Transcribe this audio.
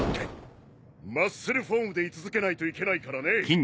マッスルフォームで居続けないといけないからね。